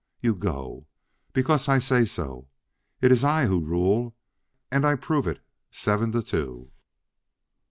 You go, because I say so. It iss I who rule, und I prove it seven to two!"